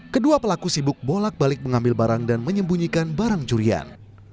kedua pelaku sibuk bolak balik mengambil barang dan menyembunyikan barang curian